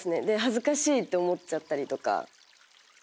ではずかしいって思っちゃったりとか。